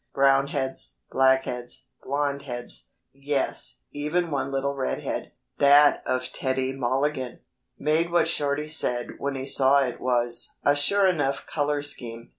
Brown heads, black heads, blond heads, yes, even one little red head that of Teddy Mulligan made what Shorty said when he saw it was "a sure enough color scheme."